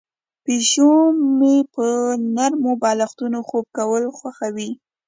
پیشو مې په نرمو بالښتونو خوب کول خوښوي.